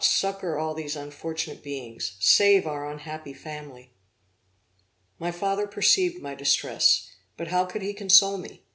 succor all these unfortunate beings; save our unhappy family!' My father perceived my distress, but how could he console me?